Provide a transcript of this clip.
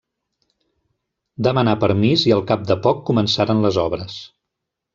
Demanà permís i al cap de poc començaren les obres.